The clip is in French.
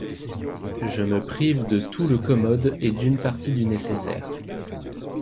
Je me prive de tous le commode et d'une partie du nécessaire.